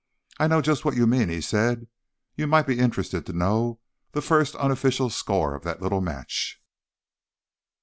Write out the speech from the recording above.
"I know just what you mean," he said. "You might be interested to know the first unofficial score of that little match."